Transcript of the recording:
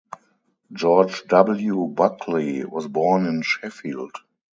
George W. Buckley was born in Sheffield.